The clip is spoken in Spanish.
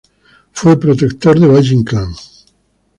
Fue protector de Valle-Inclán.